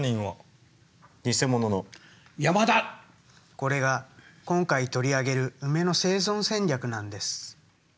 これが今回取り上げるウメの生存戦略なんです。